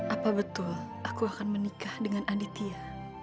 apa betul aku akan menikah dengan aditya